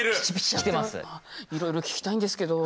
いろいろ聞きたいんですけど。